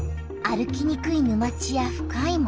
歩きにくい沼地や深い森